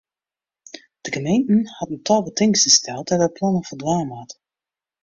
De gemeente hat in tal betingsten steld dêr't it plan oan foldwaan moat.